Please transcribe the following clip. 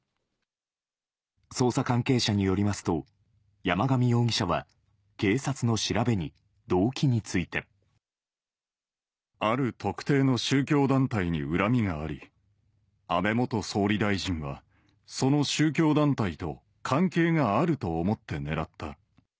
捜査関係者によりますと、山上容疑者は、ある特定の宗教団体に恨みがあり、安倍元総理大臣は、その宗教団体と関係があると思って狙った。